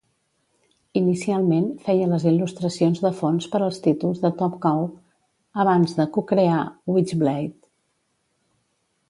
Inicialment feia les il·lustracions de fons per als títols de Top Cow abans de cocrear "Witchblade".